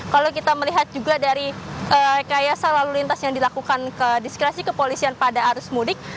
kalau kita melihat juga dari rekayasa lalu lintas yang dilakukan ke diskresi kepolisian pada arus mudik